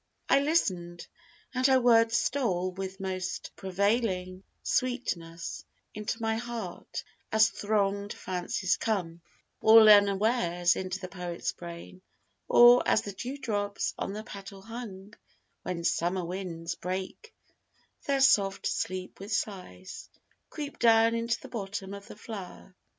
I listen'd, And her words stole with most prevailing sweetness Into my heart, as thronged fancies come, All unawares, into the poet's brain; Or as the dew drops on the petal hung, When summer winds break their soft sleep with sighs, Creep down into the bottom of the flower.